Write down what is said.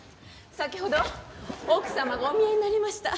先ほど奥様がお見えになりました。